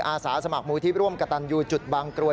อาสาสมัครมูลที่ร่วมกระตันยูจุดบางกรวย